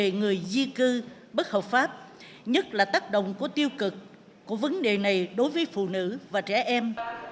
người di cư bất hợp pháp nhất là tác động của tiêu cực của vấn đề này đối với phụ nữ và trẻ em